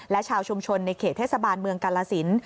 และชาวชุมชนในเขตเทศบาลเมืองกาลสิน